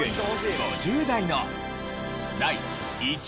５０代の第１位は。